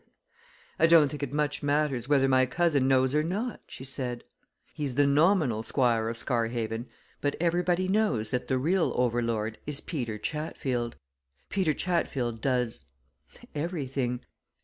"I don't think it much matters whether my cousin knows or not," she said. "He's the nominal Squire of Scarhaven, but everybody knows that the real over lord is Peter Chatfield. Peter Chatfield does everything.